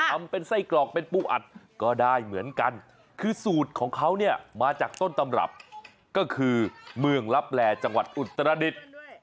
ทำเป็นไส้กรอกเป็นปูอัดก็ได้เหมือนกันคือสูตรของเขาเนี่ยมาจากต้นตำรับก็คือเมืองลับแลจังหวัดอุตรดิษฐ์